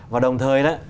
và đồng thời